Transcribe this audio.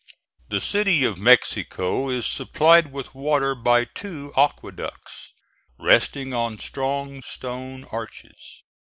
The City of Mexico is supplied with water by two aqueducts, resting on strong stone arches.